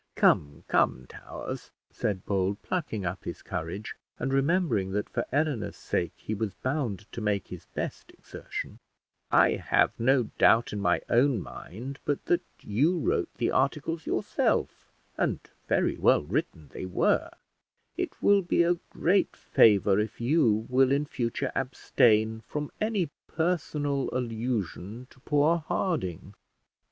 "Come, come, Towers," said Bold, plucking up his courage, and remembering that for Eleanor's sake he was bound to make his best exertion; "I have no doubt in my own mind but that you wrote the articles yourself, and very well written they were: it will be a great favour if you will in future abstain from any personal allusion to poor Harding."